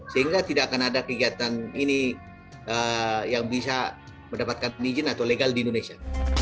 sehingga tidak akan ada kegiatan ini yang bisa mendapatkan izin atau legal di indonesia